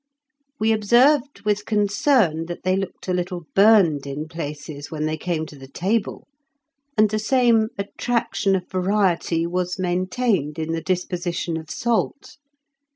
We observed with concern that they looked a little burned in places when they came to the table, and the same attraction of variety was maintained in the disposition of salt.